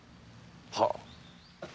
はっ。